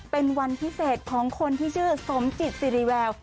เป็นวันพิเศษของคนที่ชื่อสมจิตสิริแวว